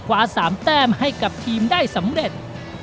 วา๓แต้มให้กับทีมได้สำเร็จ